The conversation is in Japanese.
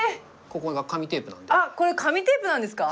これ紙テープなんですか？